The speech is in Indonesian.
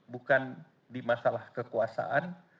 bukan di masalah kekuasaan